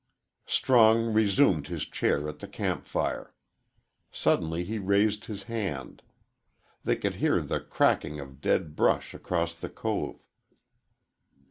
"_ Strong resumed his chair at the camp fire. Suddenly he raised his hand. They could hear the cracking of dead brush across the cove.